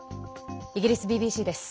イギリスＢＢＣです。